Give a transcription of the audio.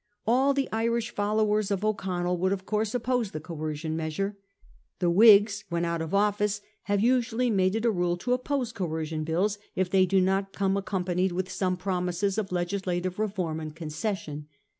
All the Irish followers of O'Connell would of course oppose the coercion measure. The Whigs when out of office have usually made it a rule to oppose coer cion bills if they do not come accompanied with some promises of legislative reform and concession.